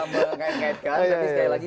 mengait ngaitkan tapi sekali lagi